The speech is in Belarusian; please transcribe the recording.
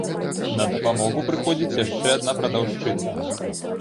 На дапамогу прыходзіць яшчэ адна прадаўшчыца.